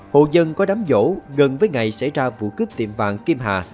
hộ dân có đám dỗ gần với ngày xảy ra vụ cướp tiệm vàng kim hạ